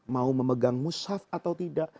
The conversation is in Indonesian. mau memegang mushaf atau tidak